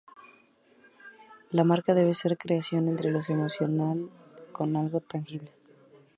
La marca debe ser una creación entre los emocional con algo tangible.